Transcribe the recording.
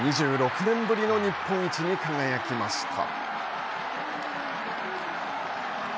２６年ぶりの日本一に輝きました。